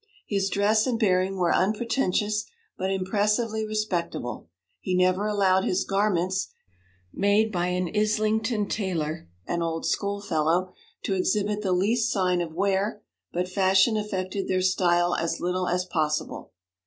His dress and bearing were unpretentious, but impressively respectable; he never allowed his garments (made by an Islington tailor, an old schoolfellow) to exhibit the least sign of wear, but fashion affected their style as little as possible.